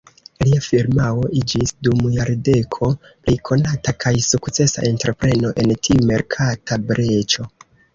Lia firmao iĝis dum jardeko plej konata kaj sukcesa entrepreno en tiu merkata breĉo.